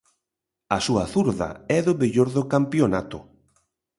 A súa zurda é do mellor do campionato.